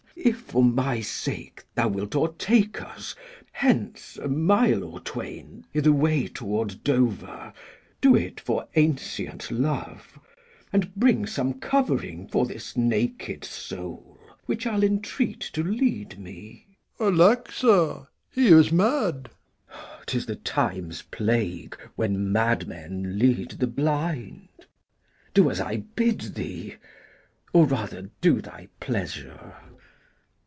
If for my sake Thou wilt o'ertake us hence a mile or twain I' th' way toward Dover, do it for ancient love; And bring some covering for this naked soul, Who I'll entreat to lead me. Old Man. Alack, sir, he is mad! Glou. 'Tis the time's plague when madmen lead the blind. Do as I bid thee, or rather do thy pleasure.